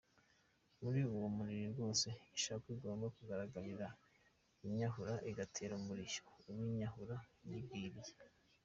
Muri uwo muriri wose, Ishakwe igomba kugaragira Inyahura igatera umurishyo uw’Inyahura iyibwirije.